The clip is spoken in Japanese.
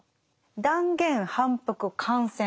断言反復感染。